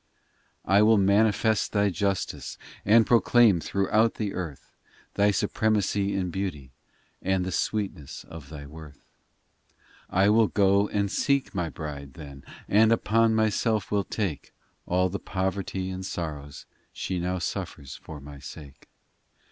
IX I will manifest Thy justice, And proclaim throughout the earth Thy supremacy and beauty And the sweetness of Thy worth. x I will go and seek My bride, then, And upon Myself will take All the poverty and sorrows She now suffers for My sake.